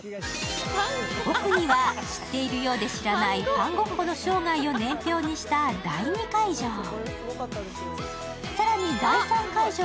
奥には知っているようで知らないファン・ゴッホの生涯を年表にした第２会場。